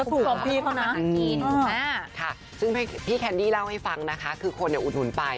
ก็ถูกของพี่เขานะอืมค่ะซึ่งพี่แคนดี้เล่าให้ฟังนะคะคือคนเนี่ยอุดหุ่นไป